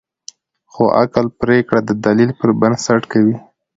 خو عقل پرېکړه د دلیل پر بنسټ کوي.